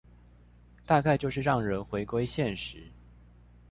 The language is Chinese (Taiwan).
大概就是讓人回歸現實